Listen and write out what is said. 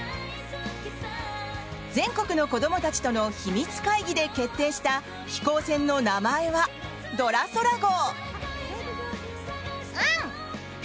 全国の子供たちとのひみつ会議で決定した飛行船の名前は「ドラそら号」。